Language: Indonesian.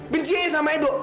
bencinya sama edo